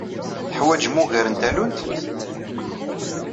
Teḥwajem ugar n tallunt?